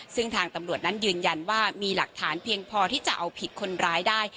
ซึ่งทางตำรวจนั้นยืนยันว่ามีหลักฐานเพียงพอที่จะเอาผิดคนร้ายได้